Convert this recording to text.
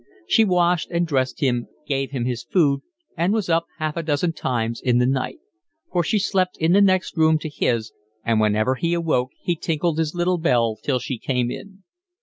She washed and dressed him, gave him his food, and was up half a dozen times in the night; for she slept in the next room to his and whenever he awoke he tinkled his little bell till she came in.